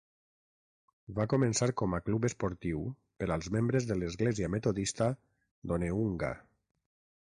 Va començar com a club esportiu per als membres de l'Església metodista d'Onehunga.